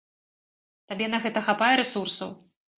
Табе на гэта хапае рэсурсаў?